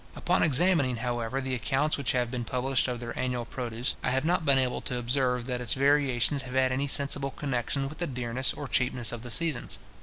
Upon examining, however, the accounts which have been published of their annual produce, I have not been able to observe that its variations have had any sensible connection with the dearness or cheapness of the seasons.